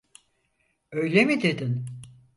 Öyle mi dedin?